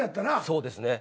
そうですね。